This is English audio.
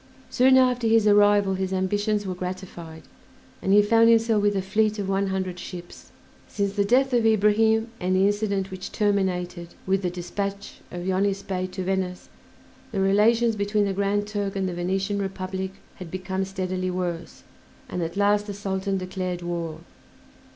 Soon after his arrival his ambitions were gratified, and he found himself with a fleet of one hundred ships. Since the death of Ibrahim, and the incident which terminated with the dispatch of Yonis Bey to Venice, the relations between the Grand Turk and the Venetian Republic had become steadily worse, and at last the Sultan declared war.